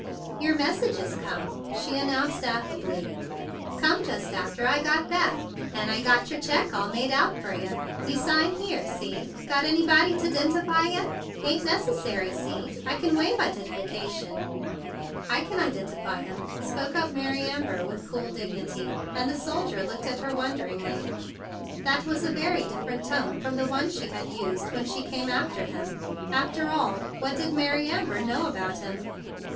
"Yer message's come," she an¬ nounced affably. "Come just after I THE BIG BLUE SOLDIER 131 got back. An' I got yer check all made out fer yah. You sign here. See? Got anybody to 'dentify yah? 'Tain't nec¬ essary, see? I c'n waive identification." "I can identify him," spoke up Mary Amber with cool dignity; and the sol¬ dier looked at her wonderingly. That was a very different tone from the one she had used when she came after him. After all, what did Mary Amber know about him?